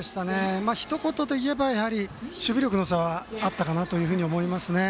ひと言で言えば守備力の差はあったかなというふうに思いますね。